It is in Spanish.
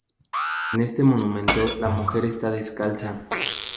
En este monumento la mujer está descalza.